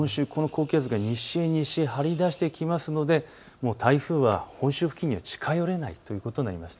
西へ西へ張り出してきますので台風は本州付近には近寄れないということになります。